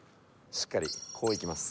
しっかりこういきます